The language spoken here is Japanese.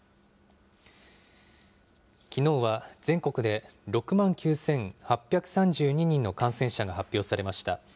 きのうは全国で６万９８３２人の感染者が発表されました。